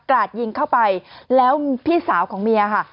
ราดยิงเข้าไปแล้วพี่สาวของเมียค่ะ